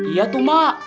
iya tuh mak